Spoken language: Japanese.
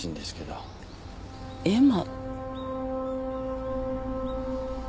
絵馬。